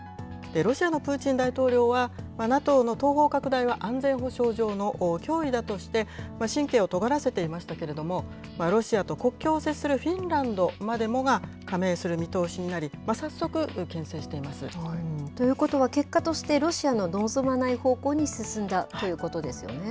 ロシアのプーチン大統領は、ＮＡＴＯの東方拡大は安全保障上の脅威だとして、神経をとがらせていましたけれども、ロシアと国境を接するフィンランドまでもが加盟する見通しになり、ということは、結果としてロシアの望まない方向に進んだということですよね。